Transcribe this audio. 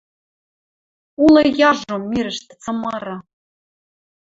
Улы яжом мирӹштӹ цымыры